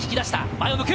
前を向く！